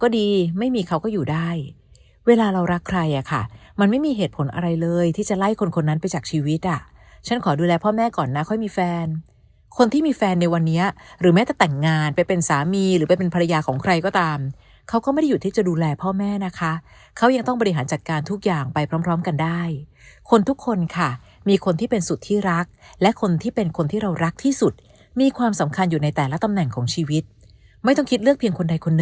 นั้นไปจากชีวิตอ่ะฉันขอดูแลพ่อแม่ก่อนนะค่อยมีแฟนคนที่มีแฟนในวันนี้หรือแม้แต่แต่งงานไปเป็นสามีหรือเป็นภรรยาของใครก็ตามเขาก็ไม่ได้อยู่ที่จะดูแลพ่อแม่นะคะเขายังต้องบริหารจัดการทุกอย่างไปพร้อมกันได้คนทุกคนค่ะมีคนที่เป็นสุดที่รักและคนที่เป็นคนที่เรารักที่สุดมีความสำคัญอยู่ในแต่ละตำแหน